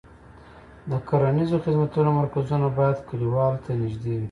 د کرنیزو خدمتونو مرکزونه باید کليوالو ته نږدې وي.